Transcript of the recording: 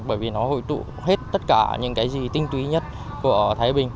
bởi vì nó hội tụ hết tất cả những cái gì tinh túy nhất của thái bình